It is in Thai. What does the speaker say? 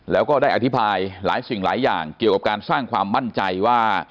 แล้วก็ได้อธิบายหลายสิ่งหลายอย่างเกี่ยวกับการสร้างความมั่นใจว่า